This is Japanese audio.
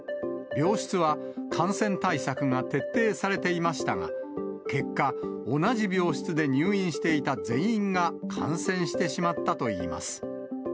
病室は感染対策が徹底されていましたが、結果、同じ病室で入院していた全員が感染してしまったといいます。